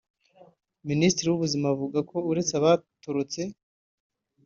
Minisiteri y’Ubuzima ivuga ko uretse abatorotse